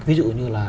ví dụ như là